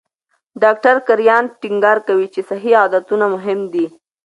ډاکټر کرایان ټینګار کوي چې صحي عادتونه مهم دي.